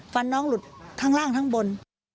ฟันน้องหลุดทั้งล่างทั้งบน